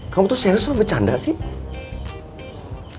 kamu tuh serius kamu bercanda sih